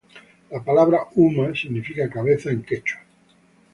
La palabra ""uma"" significa ""cabeza"" en quechua.